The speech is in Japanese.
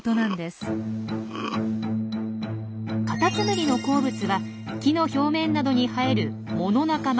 カタツムリの好物は木の表面などに生える藻の仲間